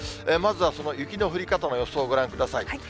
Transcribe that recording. まずはその雪の降り方の予想をご覧ください。